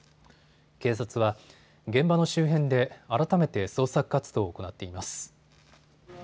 警察は、現場の周辺で改めて捜索活動を行っています。